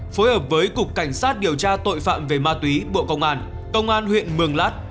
phối hợp với cục cảnh sát điều tra tội phạm về ma túy bộ công an công an huyện mường lát